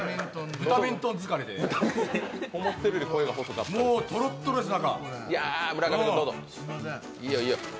ブタミントン疲れで、もうとろっとろです、中。